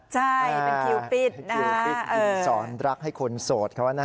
คิวปิดสอนรักให้คนโสดเขานะ